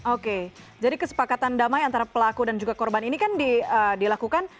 oke jadi kesepakatan damai antara pelaku dan juga korban ini kan dilakukan